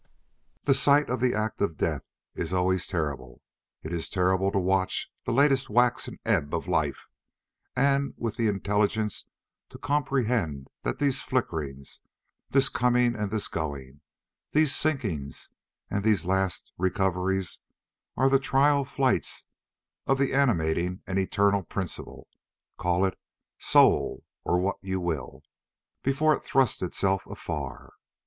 The sight of the act of death is always terrible; it is terrible to watch the latest wax and ebb of life, and with the intelligence to comprehend that these flickerings, this coming and this going, these sinkings and these last recoveries are the trial flights of the animating and eternal principle—call it soul or what you will—before it trusts itself afar.